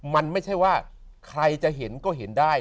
มันไม่ใช่ว่าใครจะเห็นก็เห็นได้